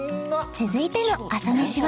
続いての朝メシは